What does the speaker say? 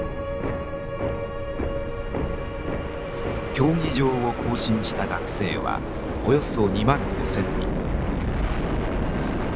競技場を行進した学生はおよそ２万５，０００人。